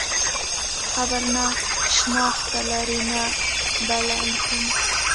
قبر نه شنخته لري نه بله لیکنه.